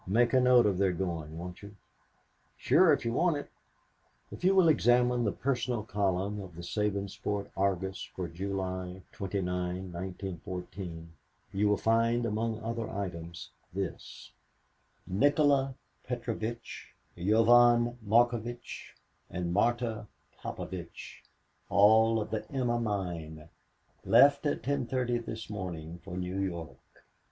Make a note of their going, won't you?" "Sure, if you want it." If you will examine the personal column of the Sabinsport Argus for July 29, 1914, you will find among other items, this: "Nikola Petrovitch, Yovan Markovitch, and Marta Popovitch, all of the 'Emma' mine, left at 10:30 this morning for New York.